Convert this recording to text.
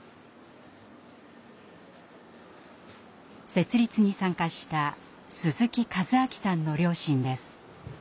設立に参加した鈴木和明さんの両親です。